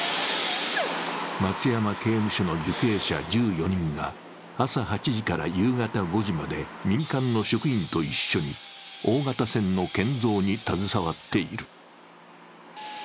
松山刑務所の受刑者１４人が朝８時から夕方５時まで民間の職員と一緒に大型船の建造に携わっている。